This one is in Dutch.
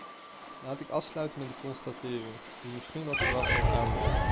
Laat ik afsluiten met een constatering die misschien wat verrassend aandoet.